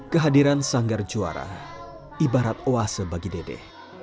kehadiran sanggar juara ibarat oase bagi dede